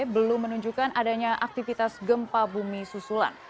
belum menunjukkan adanya aktivitas gempa bumi susulan